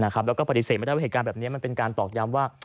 แล้วก็ปฏิเสธไม่ได้ว่าเหตุการณ์แบบนี้มันเป็นการตอกย้ำว่า